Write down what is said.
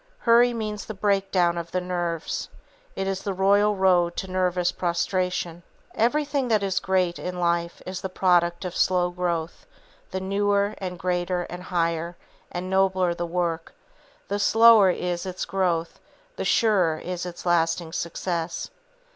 Hurry means the breakdown of the nerves. It is the royal road to nervous prostration. Everything that is great in life is the product of slow growth; the newer, and greater, and higher, and nobler the work, the slower is its growth, the surer is its lasting success.